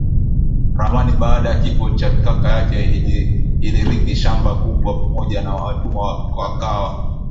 ramaniBaada ya kifo cha kaka yake alirithi shamba kubwa pamoja na watumwa akawa